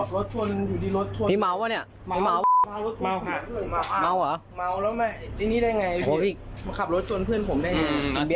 รู้ว่าม้าวอยู่พี่พี่ขี่เข้ามาชนเขานะพี่